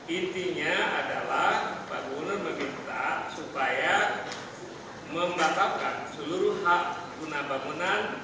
intinya adalah pak gunur meminta supaya membatalkan seluruh hak guna bangunan